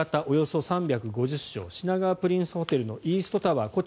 およそ３５０床品川プリンスホテルのイーストタワー